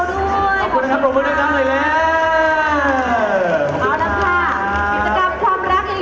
ขอบคุณมากเลยนะคะ